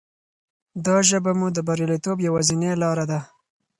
دا ژبه مو د بریالیتوب یوازینۍ لاره ده.